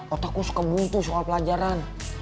otakku suka buntu soal pelajaran